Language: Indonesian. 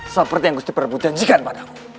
seperti yang kusti para bu janjikan padaku